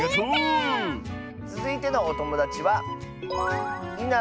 つづいてのおともだちは。